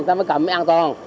người ta mới cầm mới an toàn